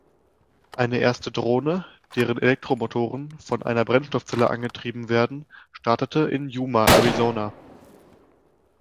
Eine erste Drohne, deren Elektromotoren von einer Brennstoffzelle angetrieben werden, startete in Yuma, Arizona.